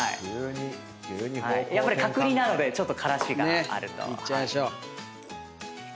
やっぱり角煮なのでちょっとからしがあると。